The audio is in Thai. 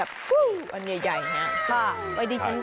เอออยากได้ไหม